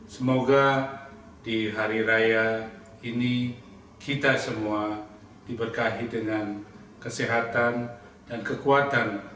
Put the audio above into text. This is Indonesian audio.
semoga di hari raya ini kita semua diberkahi dengan kesehatan dan kekuatan